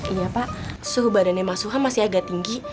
iya pak suhu badannya masuha masih agak tinggi